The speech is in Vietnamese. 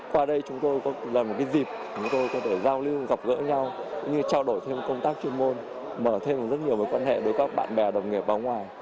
qua đây chúng tôi có một dịp để giao lưu gặp gỡ nhau trao đổi thêm công tác chuyên môn mở thêm rất nhiều quan hệ với các bạn bè đồng nghiệp vào ngoài